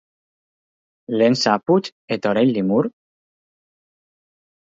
Lehen zaputz eta orain limur?